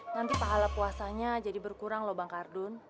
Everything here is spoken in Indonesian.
nanti pahala puasanya jadi berkurang loh bang kardun